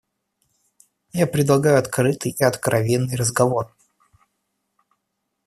Я предлагаю открытый и откровенный разговор.